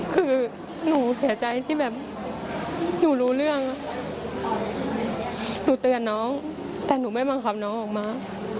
คือหนูเสียใจที่แบบหนูรู้เรื่องหนูเตือนน้องแต่หนูไม่บังคับน้องออกมา